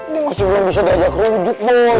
dia masih belum bisa di ajak rewujuk om